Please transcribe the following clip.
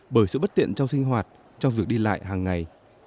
bởi sự bất tiện trong sinh hoạt trong việc đi lại hàng ngày